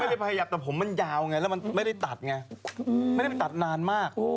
ไม่ได้ขยับแต่ผมมันยาวไงแล้วมันไม่ได้ตัดไงไม่ได้ไปตัดนานมาก